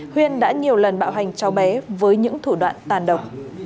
huyên đã nhiều lần bạo hành cháu bé với những thủ đoạn tàn độc